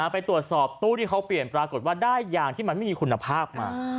ไปตรวจสอบตู้ที่เขาเปลี่ยนปรากฏว่าได้ยางที่มันไม่มีคุณภาพมา